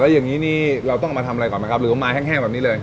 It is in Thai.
อย่างนี้นี่เราต้องมาทำอะไรก่อนไหมครับหรือว่าไม้แห้งแบบนี้เลย